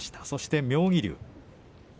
そして妙義龍。